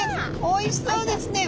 おいしそうですね。